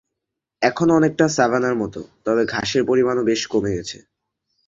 এখনও অনেকটা সাভানা-র মত, তবে ঘাসের পরিমাণও বেশ কমে গেছে।